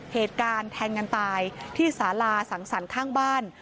เหตุการณ์แทงกันตายที่สาลาสังสรรค์ข้างบ้าน